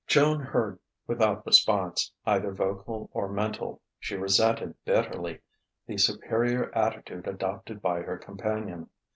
Joan heard without response, either vocal or mental. She resented bitterly the superior attitude adopted by her companion.